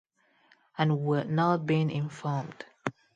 And we're not being informed.